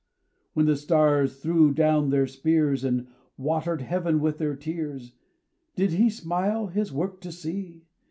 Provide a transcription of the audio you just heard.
When the stars threw down their spears, And watered heaven with their tears, Did He smile His work to see?